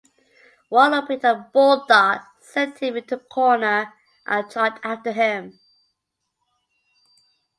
Warlord picked up Bulldog, sent him into the corner and charged after him.